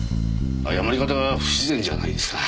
誤り方が不自然じゃないですか？